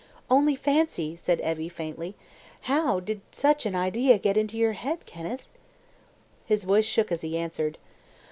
"Only fancy!" said Evie faintly. "How did such an idea get into your head, Kenneth?" His voice shook as he answered.